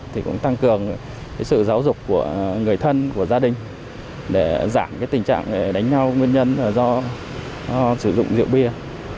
thì cũng tăng cường sự giáo dục của người thân của gia đình để giảm cái tình trạng đánh nhau nguyên nhân do sử dụng rượu bia